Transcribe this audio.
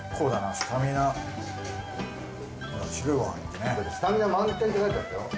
スタミナ満点って書いてあったよ。